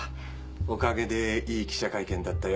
おかげでいい記者会見だったよ。